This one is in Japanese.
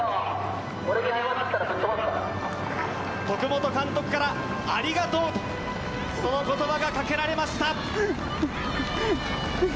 徳本監督からありがとうと言葉がかけられました。